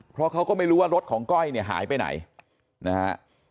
เพราะเขาก็ไม่รู้ว่ารถของก้อยเนี่ยหายไปไหนนะฮะ